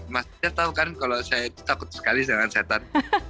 mas saya tahu kan kalau saya takut sekali dengan setan